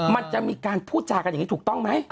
มันจะมีการพูดจากันอย่างนี้ถูกต้องไหม